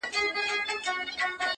چي له غله سره د کور د سړي پل وي،